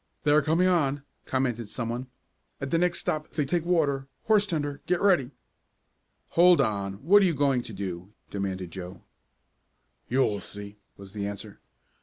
"They are coming on," commented some one. "At the next stop they take water. Hose tender, get ready!" "Hold on! What are you going to do?" demanded Joe. "You'll see," was the answer.